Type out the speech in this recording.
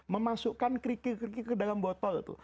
memasukkan kerikik kerikik ke dalam botol itu